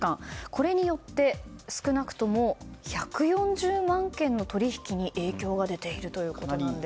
これによって少なくとも１４０万件の取引に影響が出ているということなんです。